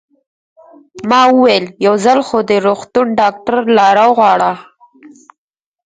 ما وویل: یو ځل خو د روغتون ډاکټر را وغواړه.